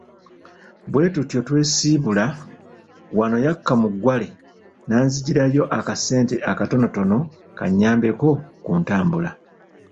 Bwe tutyo, twesiibula, wano yakka mu ggwale n'anzigirayo ku kasente akatonotono kannyambeko ku ntambula.